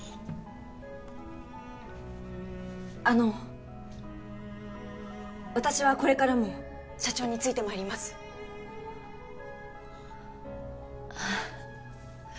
あの私はこれからも社長についてまいりますあ